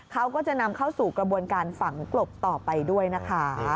เขาก็จะนำเข้าสู่กระบวนการฝังกลบต่อไปด้วยนะคะ